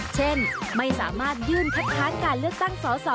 เช่นไม่สามารถยื่นคัดค้านการเลือกตั้งสอสอ